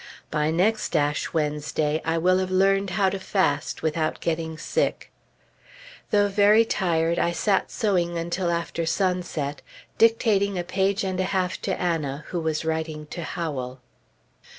By next Ash Wednesday, I will have learned how to fast without getting sick! Though very tired, I sat sewing until after sunset, dictating a page and a half to Anna, who was writing to Howell.